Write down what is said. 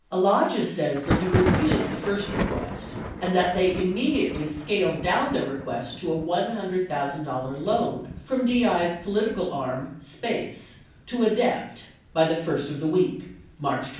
58 Alagia says that he refused the first request, and that they im mediately scaled down their request to a $100,000 loan from DI's polit ical arm, SPACE, to ADEPT by the "first of the week" — March 29.